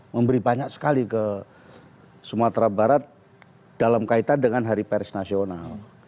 memberi banyak sekali ke sumatera barat dalam kaitan dengan hari pers nasional